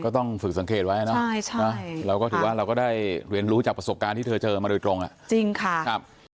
ต้องฝึกสังเกตไว้เนาะเราก็ถือว่าเราก็ได้เรียนรู้จากประสบการณ์ที่เธอเจอมาโดยตรงจริงค่ะ